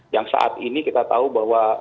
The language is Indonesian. yang saat ini kita tahu bahwa